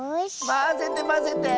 まぜてまぜて！